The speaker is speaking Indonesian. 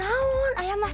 ayah masalah naun deh